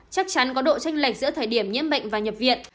chắc chắn có độ tranh lệch giữa thời điểm nhiễm bệnh và nhập viện